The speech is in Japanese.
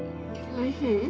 おいしい？